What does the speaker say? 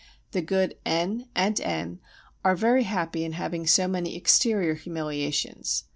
The good N. and N. are very happy in having so many exterior humiliations.